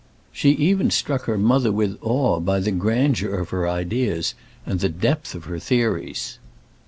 She even struck her mother with awe by the grandeur of her ideas and the depth of her theories.